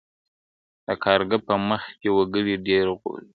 • د کارګه په مخ کي وکړې ډیري غوري -